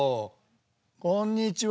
こんにちは。